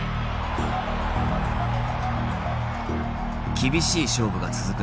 厳しい勝負が続く